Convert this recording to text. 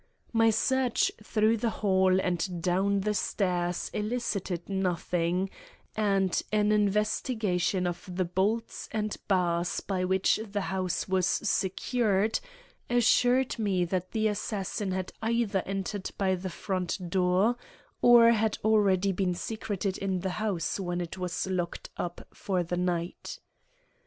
My search through the hall and down the stairs elicited nothing; and an investigation of the bolts and bars by which the house was secured, assured me that the assassin had either entered by the front door, or had already been secreted in the house when it was locked up for the night.